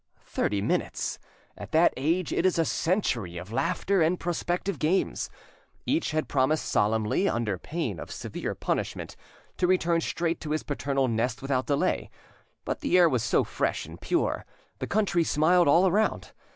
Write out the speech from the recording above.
Thirty minutes! at that age it is a century, of laughter and prospective games! Each had promised solemnly, under pain of severe punishment, to return straight to his paternal nest without delay, but the air was so fresh and pure, the country smiled all around!